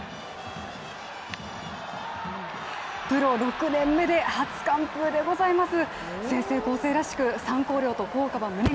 プロ６年目で初完封でございます。